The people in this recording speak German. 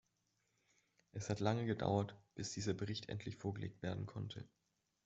Es hat lange gedauert, bis dieser Bericht endlich vorgelegt werden konnte.